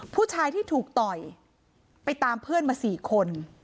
ผู้ชายที่ถูกต่อยไปตามเพื่อนมา๔คน